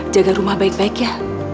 jaga rumah baik baik ya